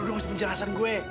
lu denger dulu penjelasan gue